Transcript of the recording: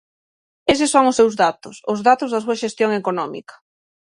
Eses son os seus datos, os datos da súa xestión económica.